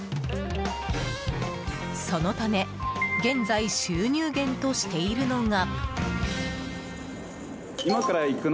そのため、現在収入源としているのが。